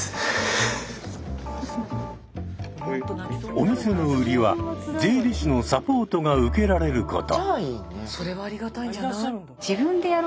お店の売りは税理士のサポートが受けられること。